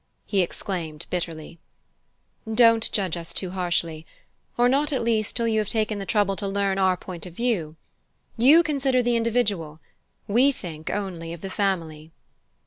he exclaimed bitterly. "Don't judge us too harshly or not, at least, till you have taken the trouble to learn our point of view. You consider the individual we think only of the family."